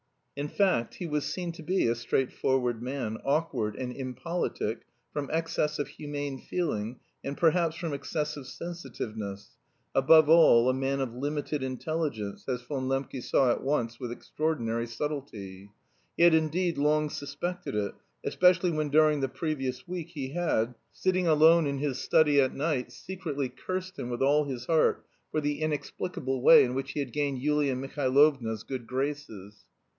In fact, he was seen to be a straightforward man, awkward and impolitic from excess of humane feeling and perhaps from excessive sensitiveness above all, a man of limited intelligence, as Von Lembke saw at once with extraordinary subtlety. He had indeed long suspected it, especially when during the previous week he had, sitting alone in his study at night, secretly cursed him with all his heart for the inexplicable way in which he had gained Yulia Mihailovna's good graces.